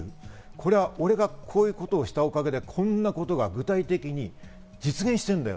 これがこういうことをしたおかげでこんなことが具体的に実現してるんだよ。